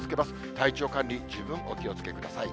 体調管理、十分お気をつけください。